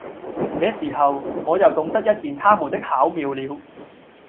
這時候，我又懂得一件他們的巧妙了。